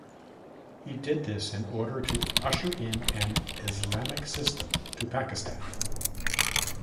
He did this in order to usher in an Islamic system to Pakistan.